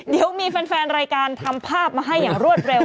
เดี๋ยวมีแฟนรายการทำภาพมาให้อย่างรวดเร็ว